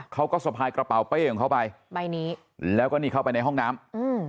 สะพายกระเป๋าเป้ของเขาไปใบนี้แล้วก็นี่เข้าไปในห้องน้ำอืม